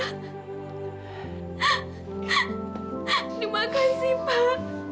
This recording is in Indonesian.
terima kasih pak